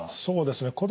そうですね。